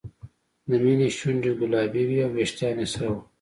د مینې شونډې ګلابي وې او وېښتان یې سره وو